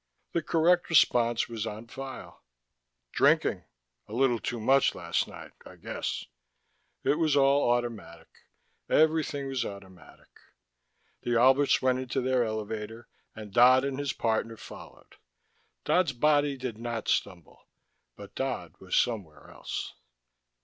The correct response was on file. "Drinking a little too much last night, I guess." It was all automatic: everything was automatic. The Alberts went into their elevator, and Dodd and his partner followed. Dodd's body did not stumble. But Dodd was somewhere else.